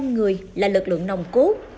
một trăm hai mươi năm người là lực lượng nồng cố